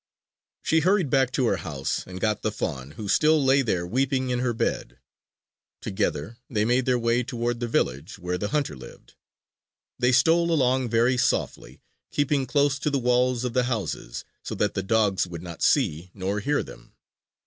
She hurried back to her house and got the fawn, who still lay there weeping in her bed. Together they made their way toward the village where the hunter lived. They stole along very softly, keeping close to the walls of the houses, so that the dogs would not see nor hear them.